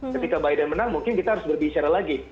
ketika biden menang mungkin kita harus berbicara lagi